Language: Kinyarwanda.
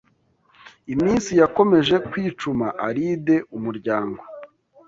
Iminsi yakomeje kwicuma, Alide umuryango